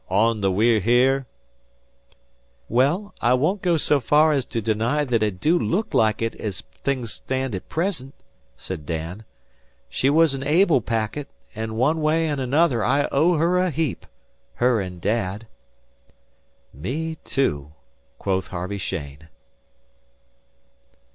On the We're Here?" "Well, I won't go so far as to deny that it do look like it as things stand at present," said Dan. "She was a noble packet, and one way an' another I owe her a heap her and Dad." "Me too," quoth Harvey Cheyne.